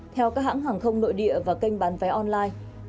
theo các hãng hàng không nội địa và kênh bán vé online